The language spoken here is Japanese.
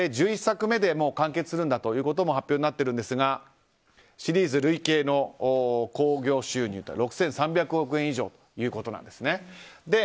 １１作目で完結するんだということも発表になっているんですがシリーズ累計の興行収入は６３００億円以上ということです。